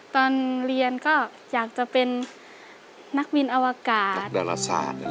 ตอนเรียนอยากจะเป็นนักมีนอวกาศ